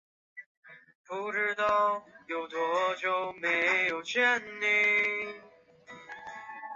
于是腓特烈尝试鼓励俄罗斯向衰弱而无影响力的波兰扩张来代替向奥斯曼帝国的扩张。